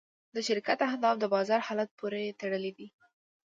د شرکت اهداف د بازار حالت پورې تړلي دي.